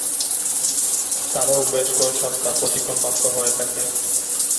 তারাও বেশ কয়েক সপ্তাহ প্রশিক্ষণপ্রাপ্ত হয়ে থাকেন।